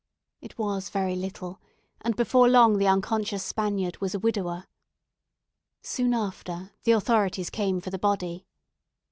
It was very little, and before long the unconscious Spaniard was a widower. Soon after, the authorities came for the body.